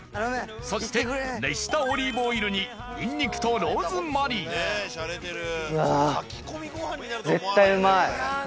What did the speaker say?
そして熱したオリーブオイルにニンニクとローズマリーうわ絶対うまい！